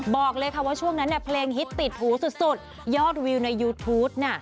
บอกเลยค่ะว่าช่วงนั้นเนี่ยเพลงฮิตติดหูสุดยอดวิวในยูทูปน่ะ